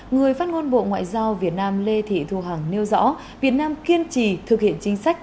người phát ngôn bộ ngoại giao việt nam lê thị thu hằng nêu rõ việt nam kiên trì thực hiện chính sách